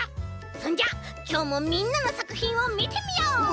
そんじゃきょうもみんなのさくひんをみてみよう！